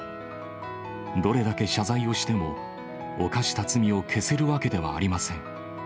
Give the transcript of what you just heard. どれだけ謝罪をしても、犯した罪を消せるわけではありません。